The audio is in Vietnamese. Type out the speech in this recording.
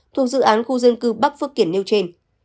thuộc dự án khu dân cư bắc phước kiển nêu trên